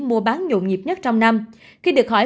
mua bán nhộn nhịp nhất trong năm khi được hỏi